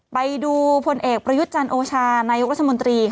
ไปดูผลเอกประยุทธ์จันโอชานายกรัฐมนตรี